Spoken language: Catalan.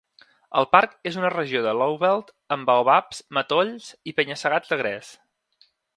El parc és una regió de Lowveld amb baobabs, matolls i penya-segats de gres.